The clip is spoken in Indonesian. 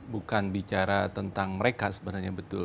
bukan bicara tentang mereka sebenarnya betul